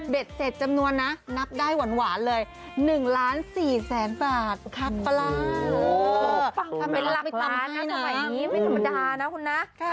เด็ดเต็ดจำนวนนับได้หวานเลย๑ล้าน๔แสนบาทครับล่ะ